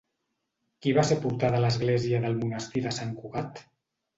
Qui va ser portada a l'església del monestir de Sant Cugat?